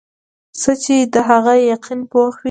ځکه چې د هغه يقين پوخ وي -